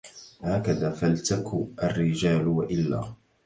هكذا فلتك الرجال وإلا